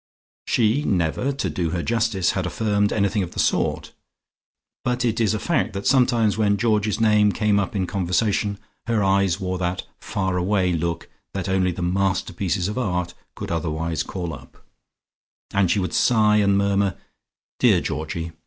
She never, to do her justice, had affirmed anything of the sort, but it is a fact that sometimes when Georgie's name came up in conversation, her eyes wore that "far away" look that only the masterpieces of art could otherwise call up, and she would sigh and murmur "Dear Georgie"!